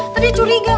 tadi curiga gak mau